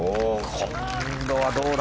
今度はどうだ。